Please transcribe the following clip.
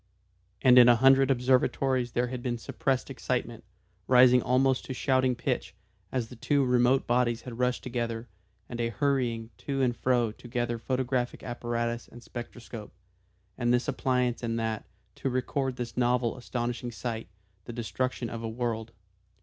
And in a hundred observatories there had been suppressed excitement, rising almost to shouting pitch, as the two remote bodies had rushed together, and a hurrying to and fro, to gather photographic apparatus and spectroscope, and this appliance and that, to record this novel astonishing sight, the destruction of a world.